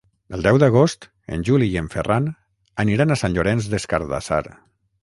El deu d'agost en Juli i en Ferran aniran a Sant Llorenç des Cardassar.